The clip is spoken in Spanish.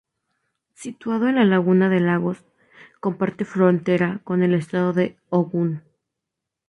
Situado en la laguna de Lagos, comparte frontera con el Estado de Ogun.